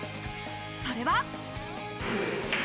それは。